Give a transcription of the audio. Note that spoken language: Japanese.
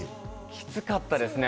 キツかったですね。